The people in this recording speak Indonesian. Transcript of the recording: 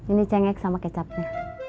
ini cengek sama kecapnya